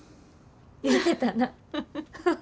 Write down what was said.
言うてたな。